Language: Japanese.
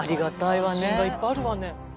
安心がいっぱいあるわね。